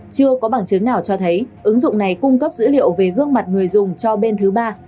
chưa có bằng chứng nào cho thấy ứng dụng này cung cấp dữ liệu về gương mặt người dùng cho bên thứ ba